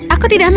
aku tidak mau